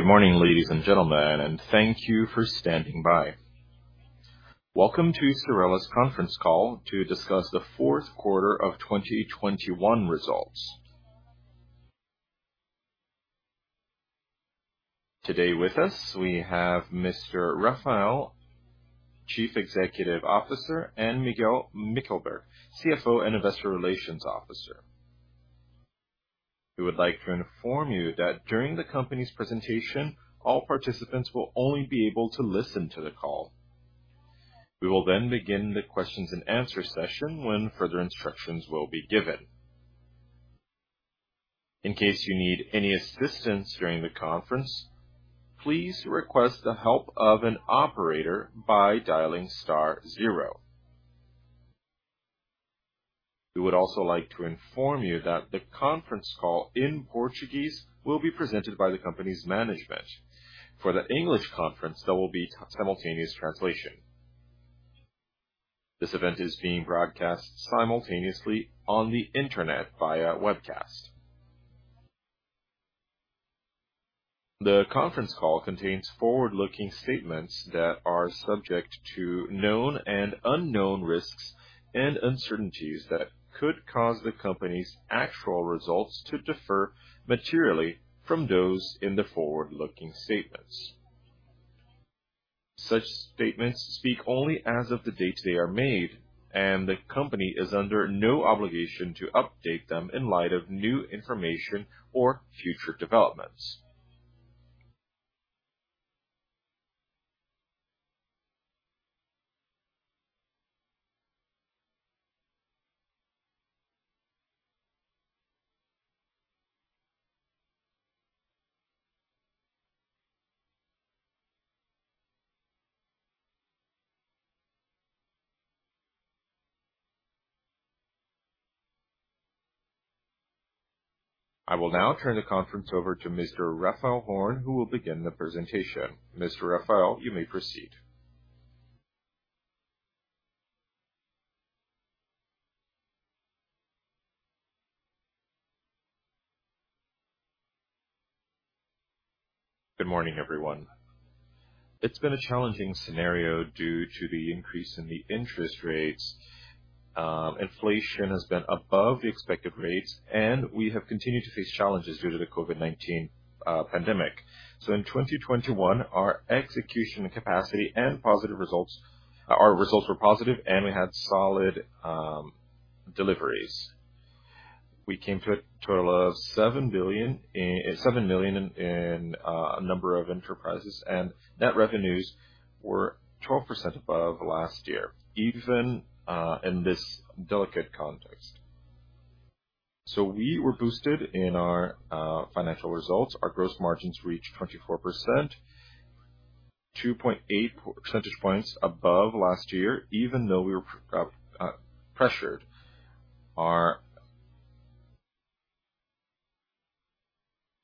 Good morning, ladies and gentlemen, and thank you for standing by. Welcome to Cyrela's conference call to discuss the fourth quarter of 2021 results. Today with us, we have Mr. Raphael Horn, Chief Executive Officer, and Miguel Mickelberg, CFO and Investor Relations Officer. We would like to inform you that during the company's presentation, all participants will only be able to listen to the call. We will then begin the question-and-answer session when further instructions will be given. In case you need any assistance during the conference, please request the help of an operator by dialing star zero. We would also like to inform you that the conference call in Portuguese will be presented by the company's management. For the English conference, there will be simultaneous translation. This event is being broadcast simultaneously on the internet via webcast. The conference call contains forward-looking statements that are subject to known and unknown risks and uncertainties that could cause the company's actual results to differ materially from those in the forward-looking statements. Such statements speak only as of the date they are made, and the company is under no obligation to update them in light of new information or future developments. I will now turn the conference over to Mr. Raphael Horn, who will begin the presentation. Mr. Raphael, you may proceed. Good morning, everyone. It's been a challenging scenario due to the increase in the interest rates. Inflation has been above the expected rates, and we have continued to face challenges due to the COVID-19 pandemic. In 2021, our execution capacity and our results were positive and we had solid deliveries. We came to a total of seven million in number of enterprises, and net revenues were 12% above last year, even in this delicate context. We were boosted in our financial results. Our gross margins reached 24%, 2.8 percentage points above last year, even though we were pressured.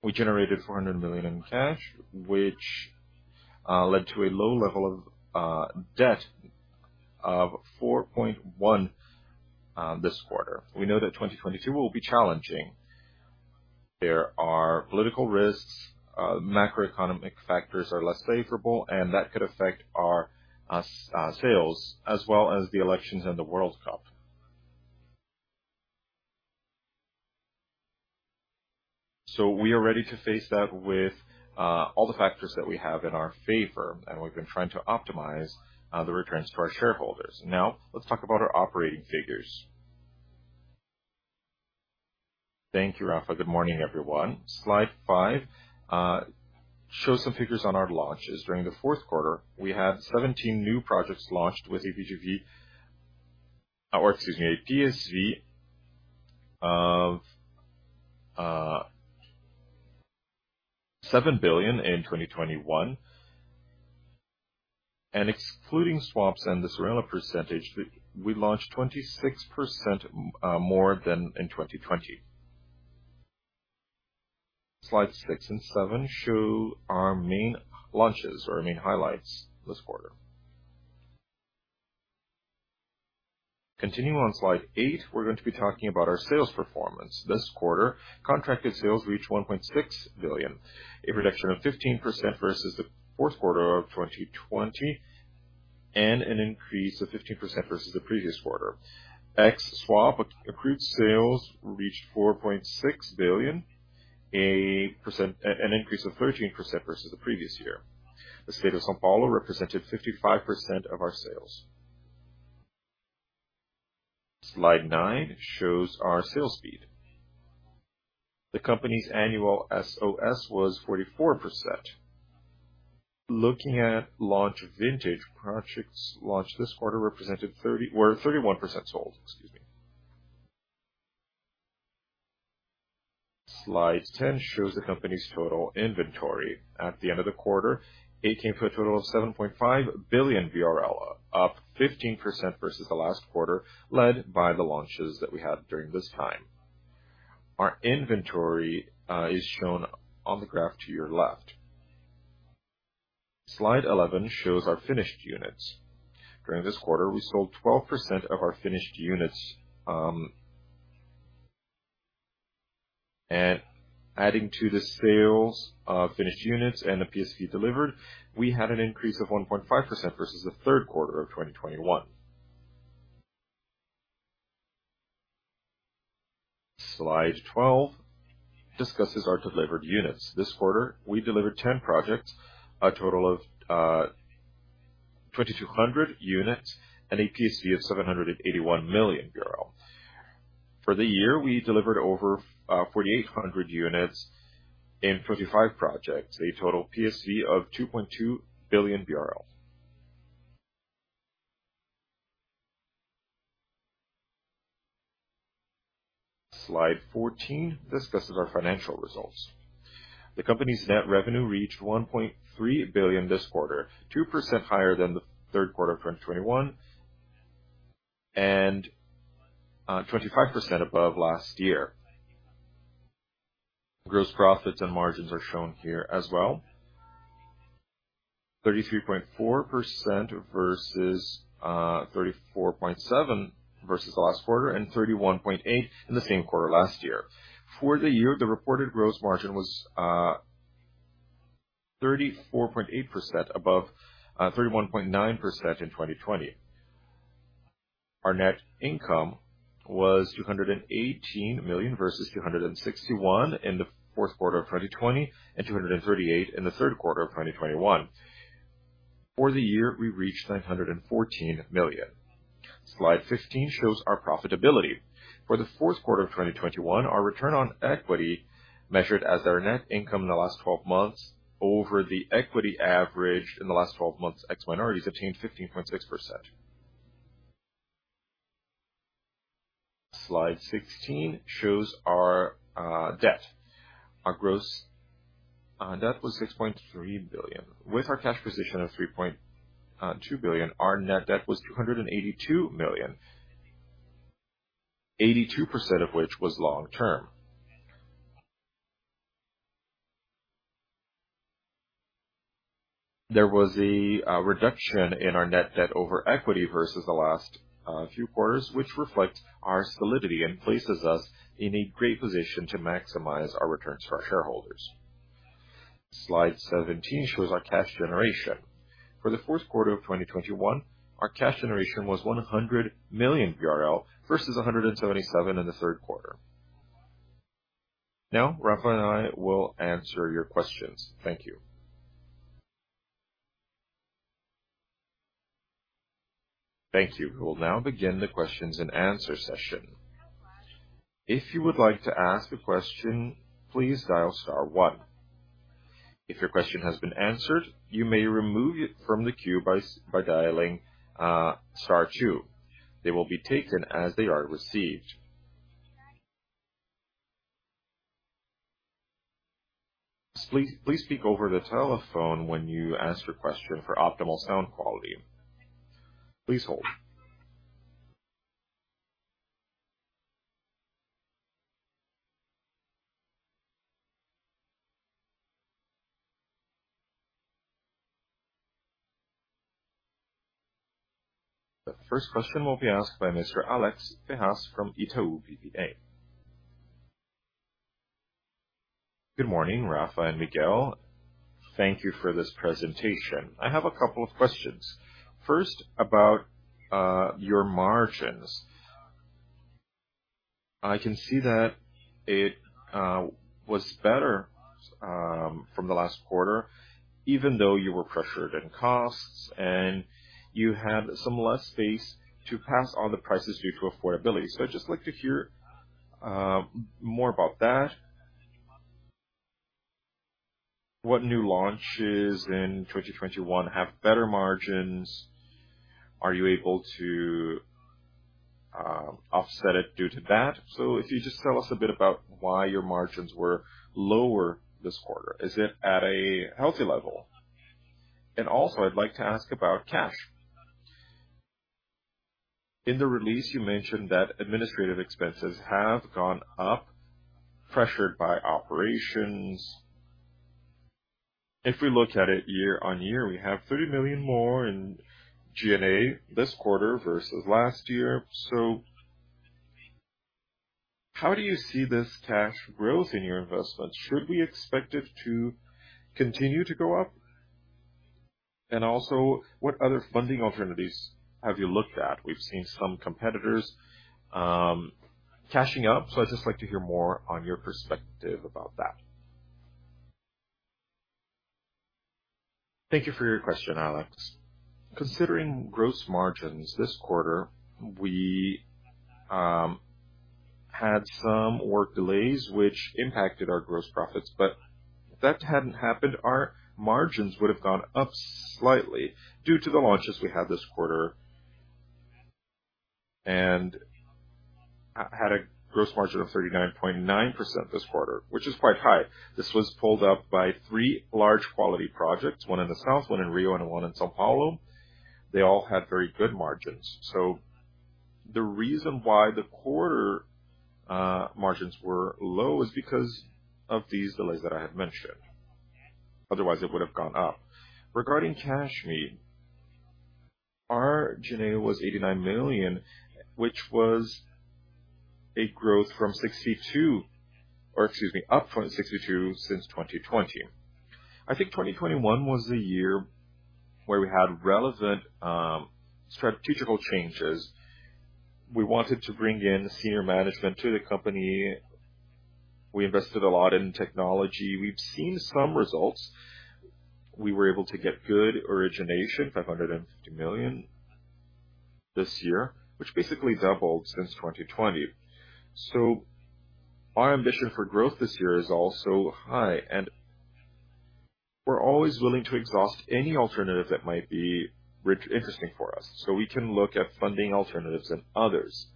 We generated 400 million in cash, which led to a low level of debt of 4.1 this quarter. We know that 2022 will be challenging. There are political risks, macroeconomic factors are less favorable, and that could affect our sales as well as the elections in the World Cup. We are ready to face that with all the factors that we have in our favor, and we've been trying to optimize the returns to our shareholders. Now let's talk about our operating figures. Thank you, Raphael. Good morning, everyone. Slide five shows some figures on our launches during the fourth quarter. We had 17 new projects launched with a PSV of BRL 7 billion in 2021. Excluding swaps and the Cyrela percentage, we launched 26% more than in 2020. Slide six and seven show our main launches or our main highlights this quarter. Continuing on slide eight, we're going to be talking about our sales performance. This quarter, contracted sales reached 1.6 billion, a reduction of 15% versus the fourth quarter of 2020 and an increase of 15% versus the previous quarter. Ex swap, accrued sales reached 4.6 billion, an increase of 13% versus the previous year. The state of São Paulo represented 55% of our sales. Slide nine shows our sales speed. The company's annual SOS was 44%. Looking at launch vintage, projects launched this quarter were 31% sold, excuse me. Slide 10 shows the company's total inventory. At the end of the quarter, 18 for a total of 7.5 billion, up 15% versus the last quarter, led by the launches that we had during this time. Our inventory is shown on the graph to your left. Slide 11 shows our finished units. During this quarter, we sold 12% of our finished units, adding to the sales of finished units and the PSV delivered, we had an increase of 1.5% versus the third quarter of 2021. Slide 12 discusses our delivered units. This quarter, we delivered 10 projects, a total of 2,200 units and a PSV of 781 million. For the year, we delivered over 4,800 units in 45 projects, a total PSV of 2.2 billion BRL. Slide 14 discusses our financial results. The company's net revenue reached 1.3 billion this quarter, 2% higher than the third quarter of 2021 and 25% above last year. Gross profits and margins are shown here as well. 33.4% versus 34.7% versus the last quarter, and 31.8% in the same quarter last year. For the year, the reported gross margin was 34.8% above 31.9% in 2020. Our net income was 218 million versus 261 million in the fourth quarter of 2020 and 238 million in the third quarter of 2021. For the year, we reached 914 million. Slide 15 shows our profitability. For the fourth quarter of 2021, our return on equity measured as our net income in the last twelve months over the equity average in the last twelve months, ex minorities obtained 15.6%. Slide 16 shows our debt. Our gross debt was 6.3 billion. With our cash position of 3.2 billion, our net debt was 282 million, 82% of which was long-term. There was a reduction in our net debt over equity versus the last few quarters, which reflect our solidity and places us in a great position to maximize our returns for our shareholders. Slide 17 shows our cash generation. For the fourth quarter of 2021, our cash generation was 100 million versus 177 million in the third quarter. Now, Rafa and I will answer your questions. Thank you. Thank you. We will now begin the questions and answer session. If you would like to ask a question, please dial star one. If your question has been answered, you may remove it from the queue by dialing star two. They will be taken as they are received. Please speak over the telephone when you answer your question for optimal sound quality. Please hold. First question will be asked by Mr. Alex Ferraz from Itaú BBA. Good morning, Rafa and Miguel. Thank you for this presentation. I have a couple of questions. First, about your margins. I can see that it was better from the last quarter, even though you were pressured in costs and you have some less space to pass on the prices due to affordability. I'd just like to hear more about that. What new launches in 2021 have better margins? Are you able to offset it due to that? If you just tell us a bit about why your margins were lower this quarter. Is it at a healthy level? I'd like to ask about cash. In the release you mentioned that administrative expenses have gone up, pressured by operations. If we look at it year-on-year, we have 30 million more in G&A this quarter versus last year. How do you see this cash growth in your investments? Should we expect it to continue to go up? What other funding alternatives have you looked at? We've seen some competitors cashing up. I'd just like to hear more on your perspective about that. Thank you for your question, Alex. Considering gross margins this quarter, we had some work delays which impacted our gross profits. If that hadn't happened, our margins would have gone up slightly due to the launches we had this quarter. We had a gross margin of 39.9% this quarter, which is quite high. This was pulled up by three large quality projects, one in the south, one in Rio, and one in São Paulo. They all had very good margins. The reason why the quarter margins were low is because of these delays that I have mentioned. Otherwise, it would have gone up. Regarding cash, our G&A was 89 million, which was a growth from 62 or excuse me, up from 62 since 2020. I think 2021 was the year where we had relevant strategic changes. We wanted to bring in senior management to the company. We invested a lot in technology. We've seen some results. We were able to get good origination, 550 million this year, which basically doubled since 2020. Our ambition for growth this year is also high, and we're always willing to exhaust any alternative that might be interesting for us, so we can look at funding alternatives and others.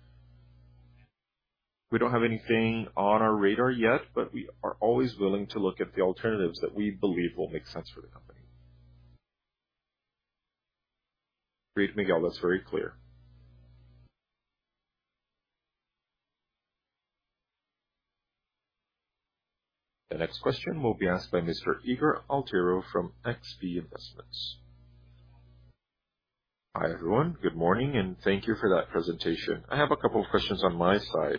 We don't have anything on our radar yet, but we are always willing to look at the alternatives that we believe will make sense for the company. Great, Miguel. That's very clear. The next question will be asked by Mr. Ygor Altero from XP Investimentos. Hi, everyone. Good morning, and thank you for that presentation. I have a couple of questions on my side.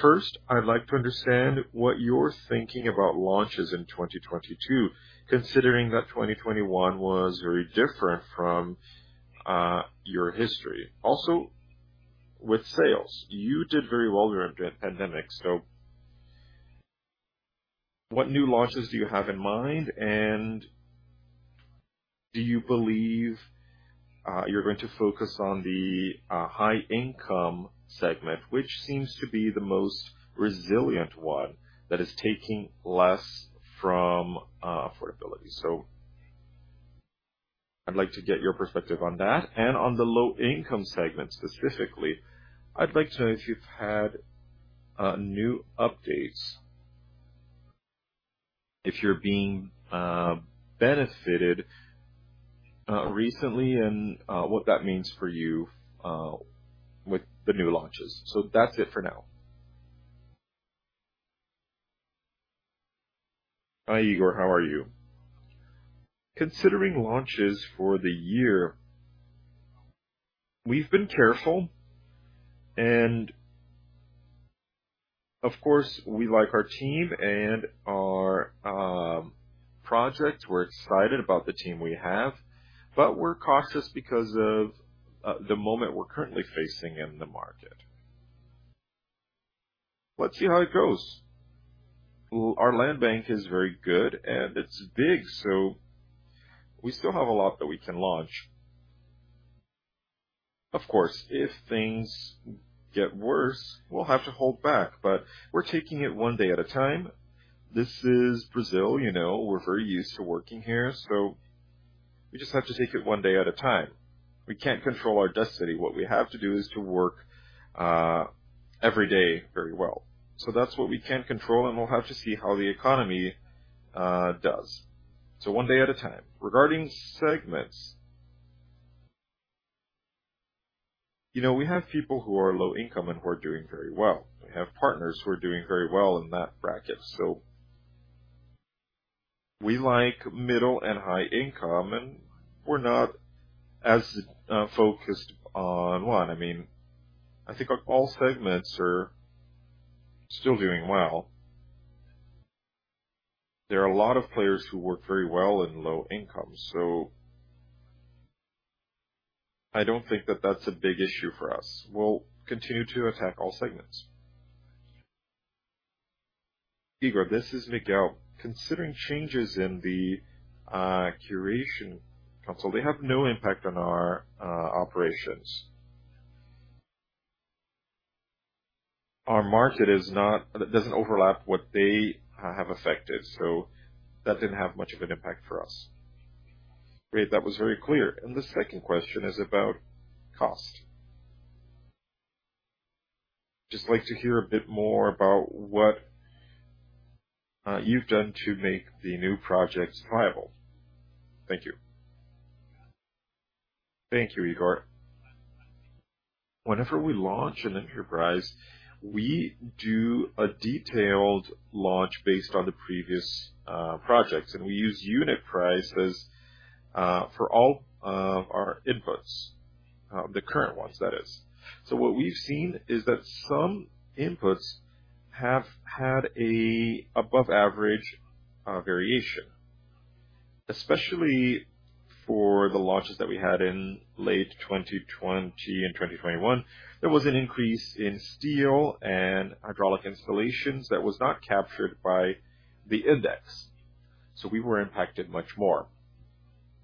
First, I'd like to understand what you're thinking about launches in 2022, considering that 2021 was very different from your history. Also with sales, you did very well during the pandemic, so what new launches do you have in mind? Do you believe you're going to focus on the high income segment, which seems to be the most resilient one that is taking less from affordability. I'd like to get your perspective on that and on the low income segment specifically. I'd like to know if you've had new updates, if you're being benefited recently, and what that means for you with the new launches. That's it for now. Hi, Ygor. How are you? Considering launches for the year, we've been careful. Of course, we like our team and our projects. We're excited about the team we have, but we're cautious because of the moment we're currently facing in the market. Let's see how it goes. Our land bank is very good, and it's big, so we still have a lot that we can launch. Of course, if things get worse, we'll have to hold back, but we're taking it one day at a time. This is Brazil, you know. We're very used to working here, so we just have to take it one day at a time. We can't control our destiny. What we have to do is to work every day very well. That's what we can control, and we'll have to see how the economy does. One day at a time. Regarding segments, you know, we have people who are low income and who are doing very well. We have partners who are doing very well in that bracket. We like middle and high income, and we're not as focused on one. I mean, I think all segments are still doing well. There are a lot of players who work very well in low income, so I don't think that that's a big issue for us. We'll continue to attack all segments. Ygor, this is Miguel. Considering changes in the curation, they have no impact on our operations. Our market doesn't overlap what they have affected, so that didn't have much of an impact for us. Great. That was very clear. The second question is about cost. Just like to hear a bit more about what you've done to make the new projects viable. Thank you. Thank you, Ygor. Whenever we launch an enterprise, we do a detailed launch based on the previous projects, and we use unit prices for all of our inputs, the current ones, that is. What we've seen is that some inputs have had an above average variation, especially for the launches that we had in late 2020 and 2021. There was an increase in steel and hydraulic installations that was not captured by the index, so we were impacted much more.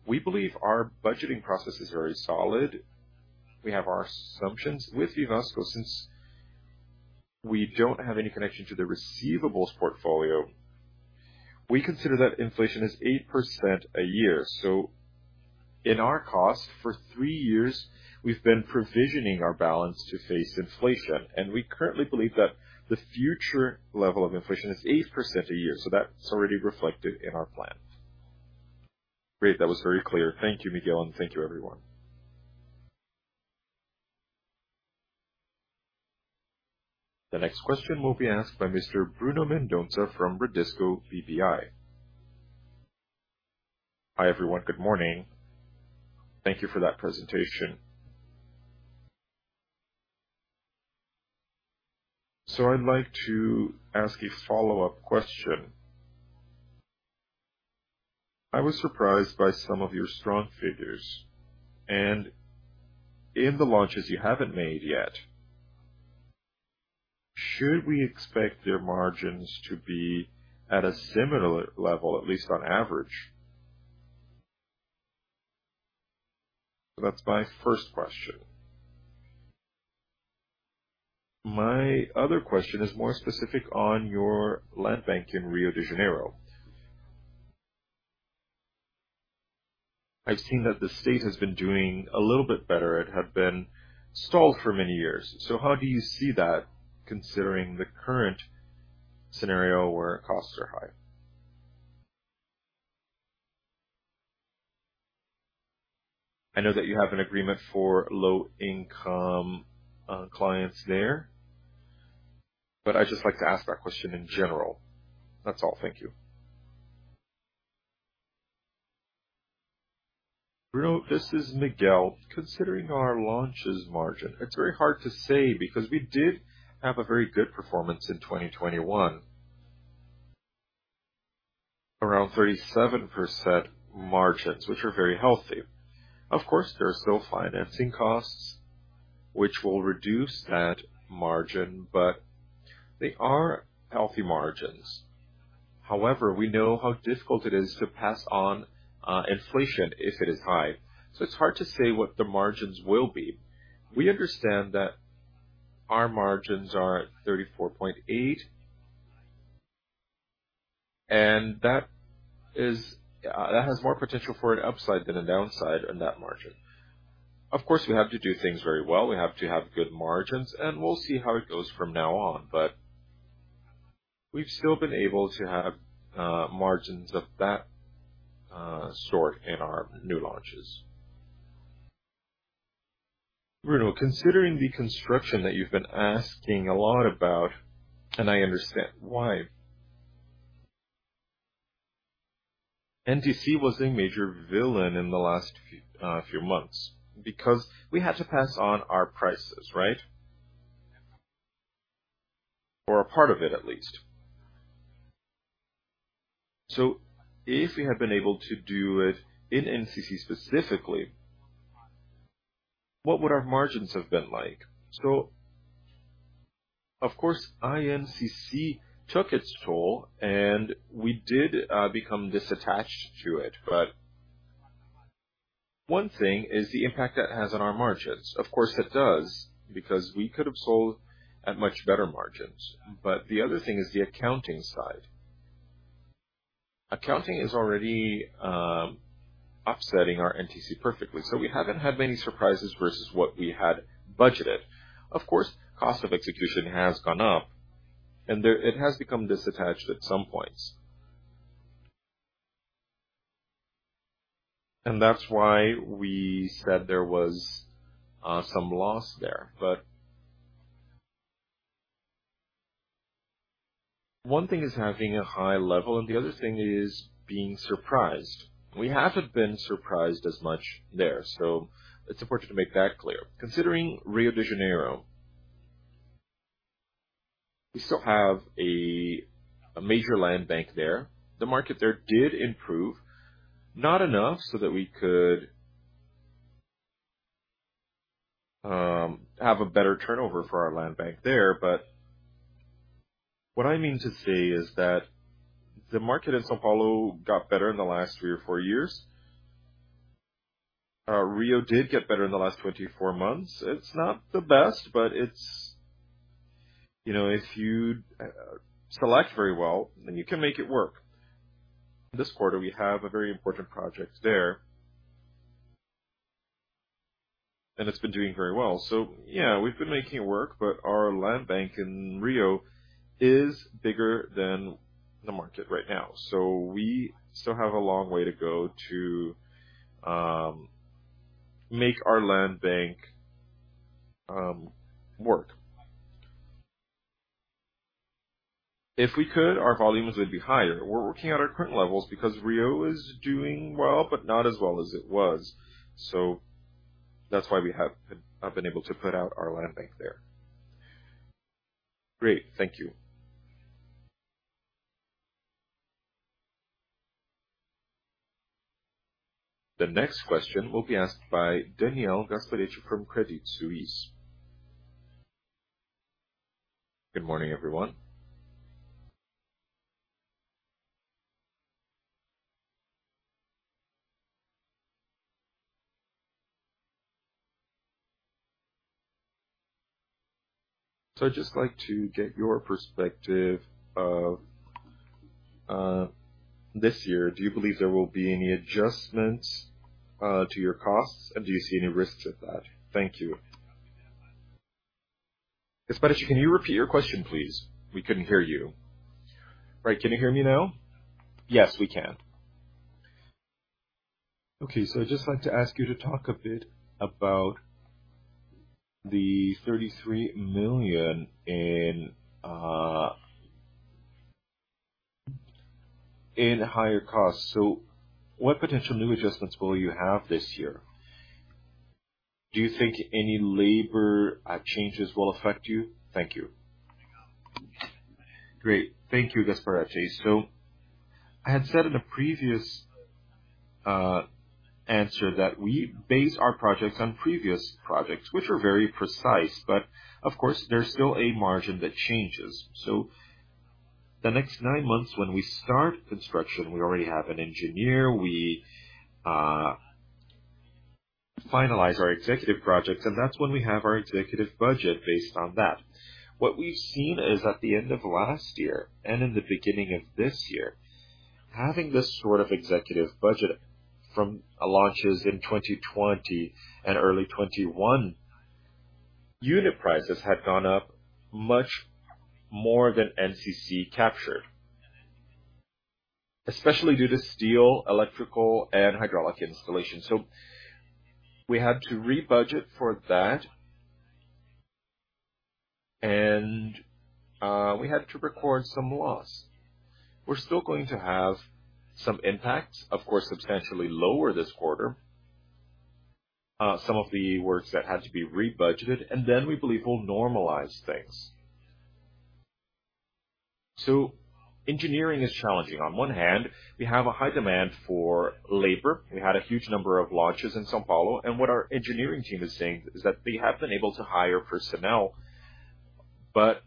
We believe our budgeting process is very solid. We have our assumptions since we don't have any connection to the receivables portfolio. We consider that inflation is 8% a year. In our cost for three years, we've been provisioning our balance to face inflation, and we currently believe that the future level of inflation is 8% a year. That's already reflected in our plans. Great. That was very clear. Thank you, Miguel, and thank you, everyone. The next question will be asked by Mr. Bruno Mendonça from Bradesco BBI. Hi, everyone. Good morning. Thank you for that presentation. I'd like to ask a follow-up question. I was surprised by some of your strong figures. In the launches you haven't made yet, should we expect their margins to be at a similar level, at least on average? That's my first question. My other question is more specific on your land bank in Rio de Janeiro. I've seen that the state has been doing a little bit better. It had been stalled for many years. How do you see that considering the current scenario where costs are high? I know that you have an agreement for low income clients there, but I just like to ask that question in general. That's all. Thank you. Bruno, this is Miguel. Considering our launches margin, it's very hard to say because we did have a very good performance in 2021. Around 37% margins, which are very healthy. Of course, there are still financing costs which will reduce that margin, but they are healthy margins. However, we know how difficult it is to pass on inflation if it is high. So it's hard to say what the margins will be. We understand that our margins are at 34.8%. That has more potential for an upside than a downside in that margin. Of course, we have to do things very well. We have to have good margins, and we'll see how it goes from now on. We've still been able to have margins of that sort in our new launches. Bruno, considering the construction that you've been asking a lot about, and I understand why. INCC was a major villain in the last few months because we had to pass on our prices, right? Or a part of it, at least. If we had been able to do it in INCC specifically, what would our margins have been like? Of course, INCC took its toll, and we did become detached to it. One thing is the impact that has on our margins. Of course, it does, because we could have sold at much better margins. The other thing is the accounting side. Accounting is already offsetting our INCC perfectly, so we haven't had many surprises versus what we had budgeted. Of course, cost of execution has gone up, and it has become detached at some points. That's why we said there was some loss there. One thing is having a high level, and the other thing is being surprised. We haven't been surprised as much there, so it's important to make that clear. Considering Rio de Janeiro, we still have a major land bank there. The market there did improve, not enough so that we could have a better turnover for our land bank there. What I mean to say is that the market in São Paulo got better in the last three or four years. Rio did get better in the last 24 months. It's not the best, but it's, you know, if you select very well, then you can make it work. This quarter, we have a very important project there. It's been doing very well. Yeah, we've been making it work, but our land bank in Rio is bigger than the market right now, so we still have a long way to go to make our land bank work. If we could, our volumes would be higher. We're working at our current levels because Rio is doing well, but not as well as it was. That's why we have not been able to put out our land bank there. Great. Thank you. The next question will be asked by Daniel Gasparete from Credit Suisse. Good morning, everyone. I'd just like to get your perspective of this year. Do you believe there will be any adjustments to your costs, and do you see any risks with that? Thank you. Gasparete, can you repeat your question, please? We couldn't hear you. Right. Can you hear me now? Yes, we can. Okay. I'd just like to ask you to talk a bit about the BRL 33 million in higher costs. What potential new adjustments will you have this year? Do you think any labor changes will affect you? Thank you. Great. Thank you, Gasparete. I had said in a previous answer that we base our projects on previous projects, which are very precise, but of course, there's still a margin that changes. The next nine months, when we start construction, we already have an engineer. We finalize our executive projects, and that's when we have our executive budget based on that. What we've seen is at the end of last year and in the beginning of this year, having this sort of executive budget from launches in 2020 and early 2021, unit prices had gone up much more than INCC captured, especially due to steel, electrical, and hydraulic installation. We had to rebudget for that. We had to record some loss. We're still going to have some impacts, of course, substantially lower this quarter. Some of the works that had to be rebudgeted, and then we believe we'll normalize things. Engineering is challenging. On one hand, we have a high demand for labor. We had a huge number of launches in São Paulo, and what our engineering team is saying is that they have been able to hire personnel, but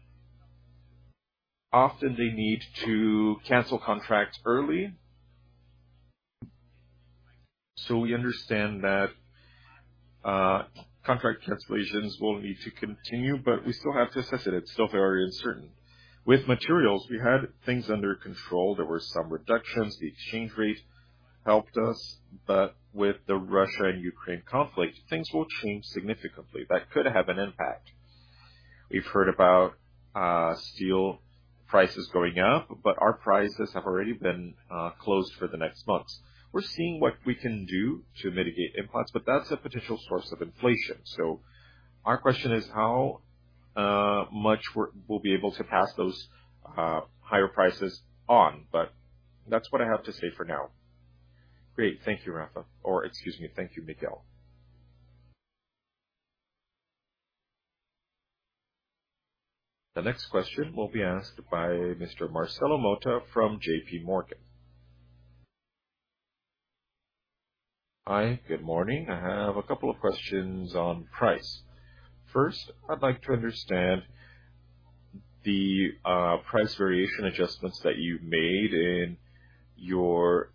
often they need to cancel contracts early. We understand that contract cancellations will need to continue, but we still have to assess it. It's still very uncertain. With materials, we had things under control. There were some reductions. The exchange rate helped us. With the Russia and Ukraine conflict, things will change significantly. That could have an impact. We've heard about steel prices going up, but our prices have already been closed for the next months. We're seeing what we can do to mitigate impacts, but that's a potential source of inflation. Our question is how much we'll be able to pass those higher prices on. That's what I have to say for now. Great. Thank you, Rafa. Or excuse me. Thank you, Miguel. The next question will be asked by Mr. Marcelo Motta from JPMorgan. Hi. Good morning. I have a couple of questions on price. First, I'd like to understand the price variation adjustments that you've made in your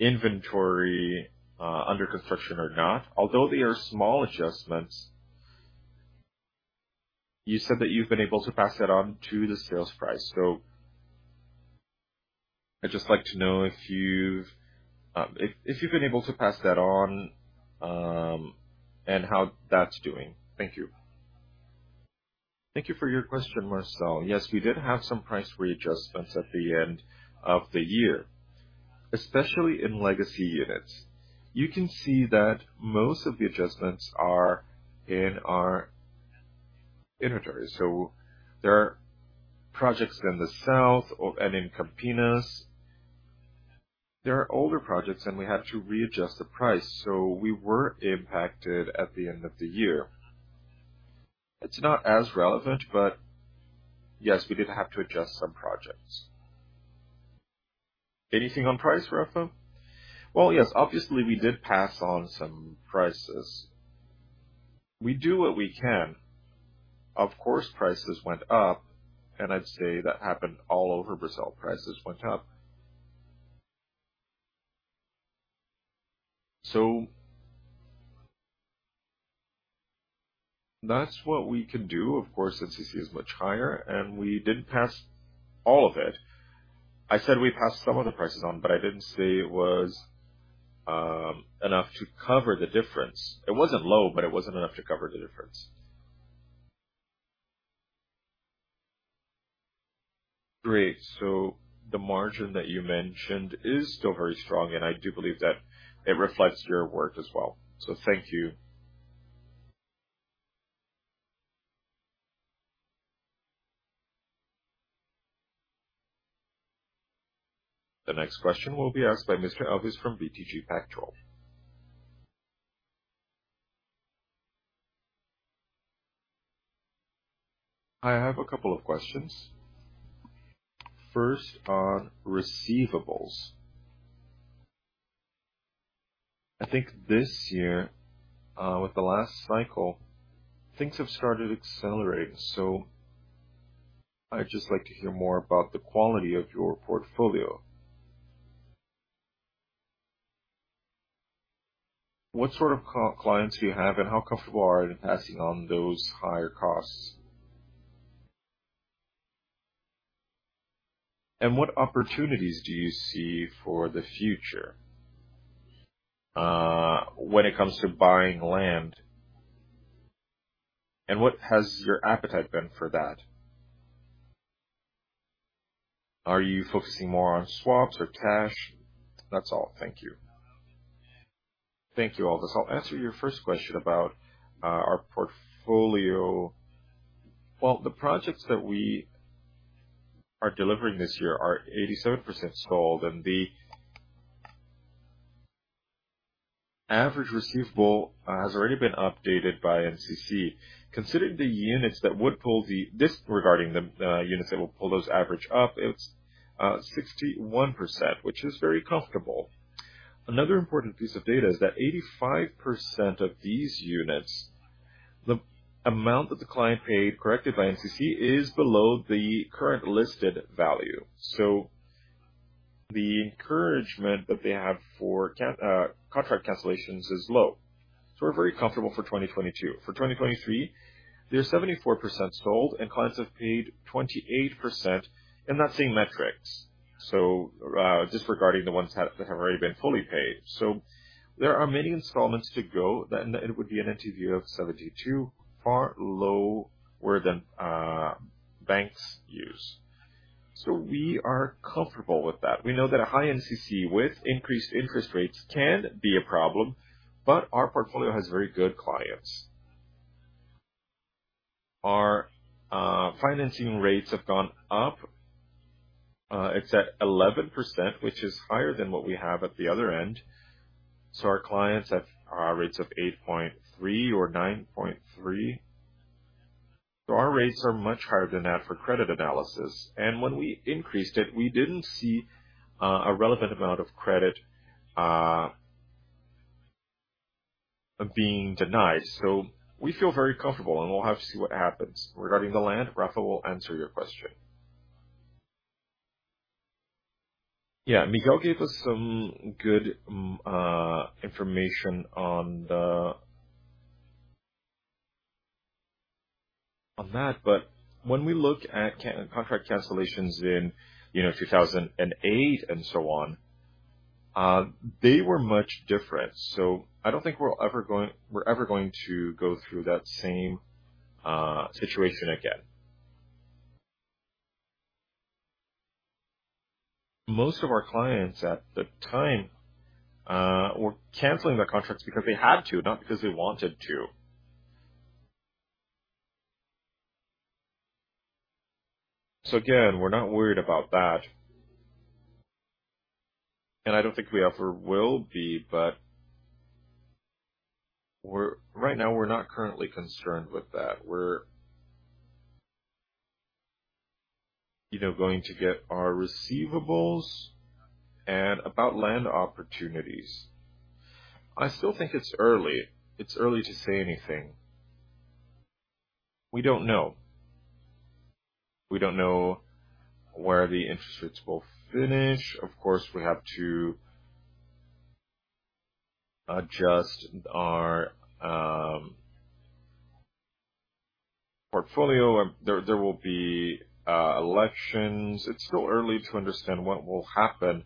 inventory, under construction or not. Although they are small adjustments, you said that you've been able to pass that on to the sales price. I'd just like to know if you've been able to pass that on, and how that's doing. Thank you. Thank you for your question, Marcelo. Yes, we did have some price readjustments at the end of the year, especially in legacy units. You can see that most of the adjustments are in our inventory. There are projects in the south and in Campinas. There are older projects, and we had to readjust the price. We were impacted at the end of the year. It's not as relevant, but yes, we did have to adjust some projects. Anything on price, Rafa? Well, yes. Obviously, we did pass on some prices. We do what we can. Of course, prices went up, and I'd say that happened all over Brazil, prices went up. That's what we can do. Of course, INCC is much higher, and we didn't pass all of it. I said we passed some of the prices on, but I didn't say it was enough to cover the difference. It wasn't low, but it wasn't enough to cover the difference. Great. The margin that you mentioned is still very strong, and I do believe that it reflects your work as well. Thank you. The next question will be asked by Mr. Elvis from BTG Pactual. I have a couple of questions. First, on receivables. I think this year, with the last cycle, things have started accelerating. I'd just like to hear more about the quality of your portfolio. What sort of clients do you have, and how comfortable are you in passing on those higher costs? What opportunities do you see for the future, when it comes to buying land, and what has your appetite been for that? Are you focusing more on swaps or cash? That's all. Thank you. Thank you, Elvis. I'll answer your first question about our portfolio. Well, the projects that we are delivering this year are 87% sold, and the average receivable has already been updated by INCC. Considering the units that would pull the average up, disregarding the units that will pull that average up, it's 61%, which is very comfortable. Another important piece of data is that 85% of these units, the amount that the client paid, corrected by INCC, is below the current listed value. The encouragement that they have for contract cancellations is low. We're very comfortable for 2022. For 2023, they're 74% sold and clients have paid 28% in that same metrics. Disregarding the ones that have already been fully paid, there are many installments to go. It would be an LTV of 72, far lower than banks use. We are comfortable with that. We know that a high INCC with increased interest rates can be a problem, but our portfolio has very good clients. Our financing rates have gone up. It's at 11%, which is higher than what we have at the other end. Our clients have rates of 8.3% or 9.3%. Our rates are much higher than that for credit analysis. When we increased it, we didn't see a relevant amount of credit being denied. We feel very comfortable, and we'll have to see what happens. Regarding the land, Raphael will answer your question. Yeah. Miguel gave us some good information on that, but when we look at contract cancellations in, you know, 2008 and so on, they were much different. I don't think we're ever going to go through that same situation again. Most of our clients at the time were canceling their contracts because they had to, not because they wanted to. Again, we're not worried about that. I don't think we ever will be, but right now we're not currently concerned with that. We're, you know, going to get our receivables and about land opportunities. I still think it's early. It's early to say anything. We don't know where the interest rates will finish. Of course, we have to adjust our portfolio. There will be elections. It's still early to understand what will happen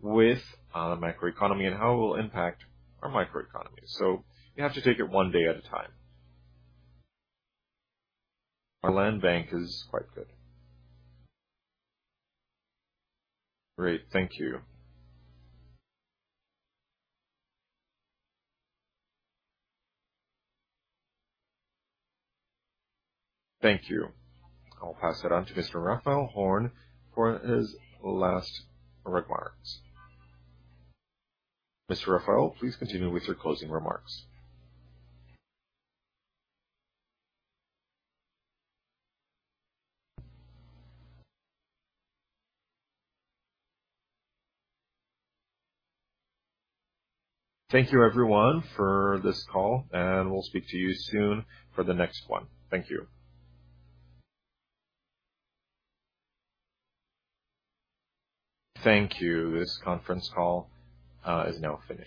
with the macroeconomy and how it will impact our microeconomy. You have to take it one day at a time. Our land bank is quite good. Great. Thank you. Thank you. I'll pass it on to Mr. Raphael Horn for his last remarks. Mr. Raphael, please continue with your closing remarks. Thank you, everyone, for this call, and we'll speak to you soon for the next one. Thank you. Thank you. This conference call is now finished.